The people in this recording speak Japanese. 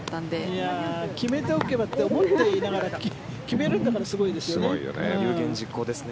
決めておけばって思っておきながら決めるんだから有言実行ですよね。